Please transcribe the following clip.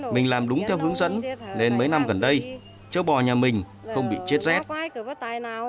mình làm đúng theo hướng dẫn nên mấy năm gần đây châu bò nhà mình không bị chết rét